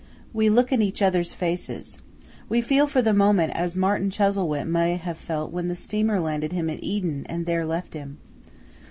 We look in each other's faces. We feel for the moment as Martin Chuzzlewit may have felt when the steamer landed him at Eden and there left him.